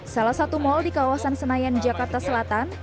salah satu mal di kawasan senayan jakarta selatan